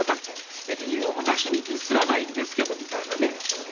理由もなしにディスらないんですけどみたいな。